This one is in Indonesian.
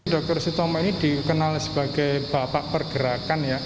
dr sutomo ini dikenal sebagai bapak pergerakan ya